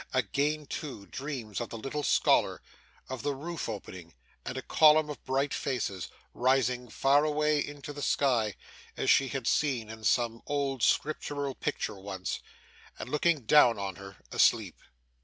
Again, too, dreams of the little scholar; of the roof opening, and a column of bright faces, rising far away into the sky, as she had seen in some old scriptural picture once, and looking down on her, asleep.